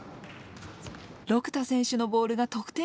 六田選手のボールが得点けんに入り。